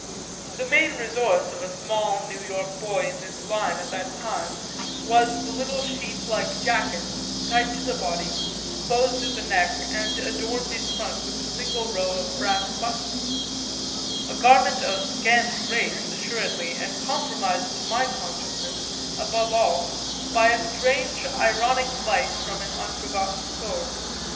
The main resource of a small New York boy in this line at that time was the little sheath like jacket, tight to the body, closed at the neck and adorned in front with a single row of brass buttons a garment of scant grace assuredly and compromised to my consciousness, above all, by a strange ironic light from an unforgotten source.